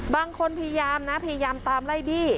บางคนพยายามนะพยายามตามไร่บี